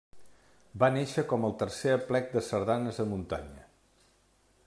Va néixer com el tercer Aplec de Sardanes a Muntanya.